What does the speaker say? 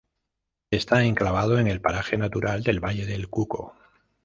Está enclavado en el paraje natural del Valle del Cuco.